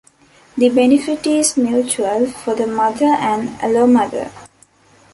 The benefit is mutual for the mother and allomother.